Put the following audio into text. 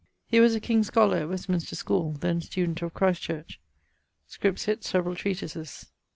He was a king's scholar at Westminster schole, then student of Christ Church. Scripsit severall treatises.